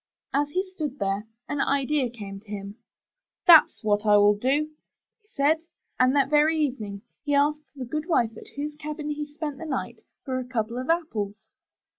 *' As he stood there, an idea came to him. ''That's what I will do," he said, and that very evening he asked the good wife at whose cabin he spent the night, for a couple of apples.